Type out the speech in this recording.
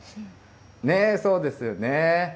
ねぇ、そうですよね。